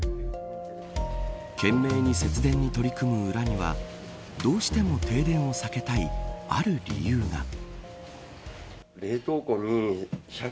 懸命に節電に取り組む裏にはどうしても停電を避けたいある理由が。